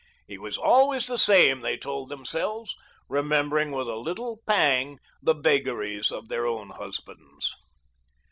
He was always the same, they told themselves, remembering with a little pang the vagaries of their own husbands.